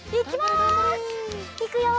いくよ！